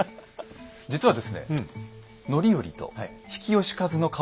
実はですねよし！